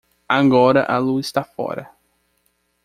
Agora a lua está fora.